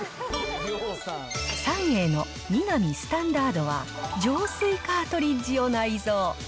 三栄のミガミスタンダードは、浄水カートリッジを内蔵。